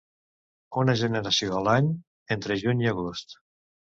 Una generació a l'any entre juny i agost.